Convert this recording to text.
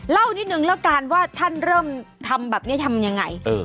เล่านิดนึงแล้วกันว่าท่านเริ่มทำแบบนี้ทำยังไง